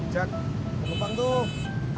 jam kemana bang tuh